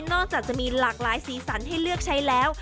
จากจะมีหลากหลายสีสันให้เลือกใช้แล้ว